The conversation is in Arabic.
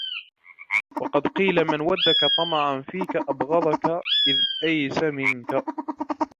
وَقَدْ قِيلَ مَنْ وَدَكَّ طَمَعًا فِيك أَبْغَضَك إذَا أَيِسَ مِنْك